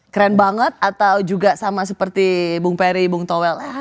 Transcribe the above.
keren banget atau juga sama seperti bung peri bung towel